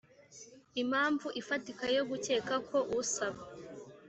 impamvu ifatika yo gukeka ko usaba